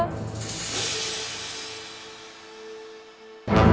aku udah kelar